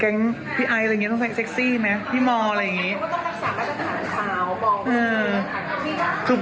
คือผู้ชายซื้อไปก็แฮปปี้ใช่ไหมคะ